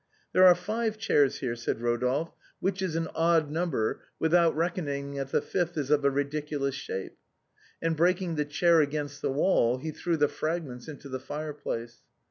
" There are five chairs here," said Rodolphe, " which is musette's fancies. 273 an odd number, without reckoning that the fifth is of a ridiculous shape." And breaking the chair against the wall, ho threw the fragments into the fireplace.